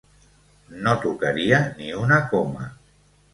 No tocaria ni una coma.